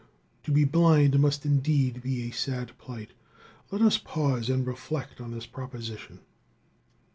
To be blind must indeed be a sad plight. Let us pause and reflect on this proposition.